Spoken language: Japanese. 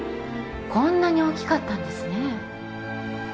こんなに大きかったんですね